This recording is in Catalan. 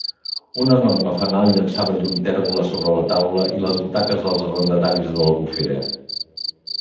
Un enorme fanal llançava llum tèrbola sobre la taula i les butaques dels arrendataris de l'Albufera.